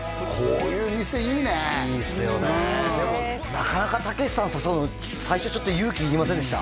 なかなか武さん誘うの最初ちょっと勇気いりませんでした？